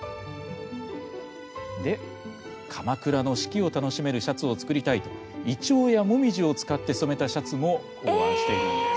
で鎌倉の四季を楽しめるシャツを作りたいとイチョウやモミジを使って染めたシャツも考案しているんです。